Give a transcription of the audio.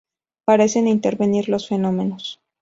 Parecen intervenir dos fenómenos.